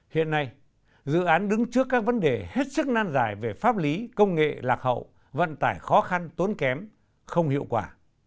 hiện nay dự án đứng trước các vấn đề hết sức nan giải về pháp lý công nghệ lạc hậu vận tải khó khăn tốn kém không hiệu quả